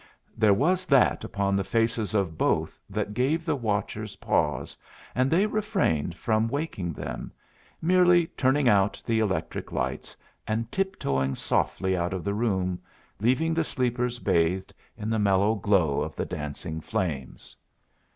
There was that upon the faces of both that gave the watchers pause, and they refrained from waking them, merely turning out the electric lights, and tiptoeing softly out of the room, leaving the sleepers bathed in the mellow glow of the dancing flames.